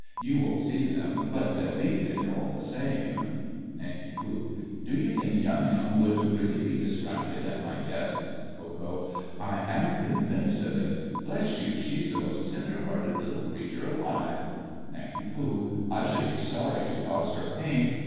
You won't see them, but they'll be there all the same. NANK. Do you think Yum Yum would really be distracted at my death? KO. I am convinced of it. Bless you, she's the most tender hearted little creature alive. NANK. I should be sorry to cause her pain.